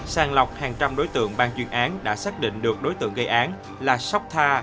sàng lọc hàng trăm đối tượng ban chuyên án đã xác định được đối tượng gây án là sotha